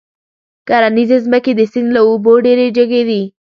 کرنيزې ځمکې د سيند له اوبو ډېرې جګې دي.